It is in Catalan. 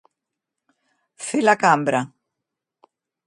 Fer la cambra.